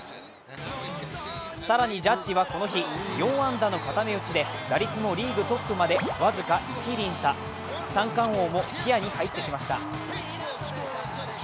更にジャッジはこの日、４安打の固め打ちで打率もリーグトップまで僅か１厘差三冠王も視野に入ってきました。